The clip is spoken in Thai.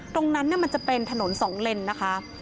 ตรงนั้นมันจะเป็นถนนสองเล่นนะคะ